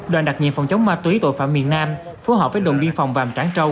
đoàn đặc nhiệm phòng chống ma túy tội phạm miền nam phù hợp với đồng biên phòng vàm tráng trâu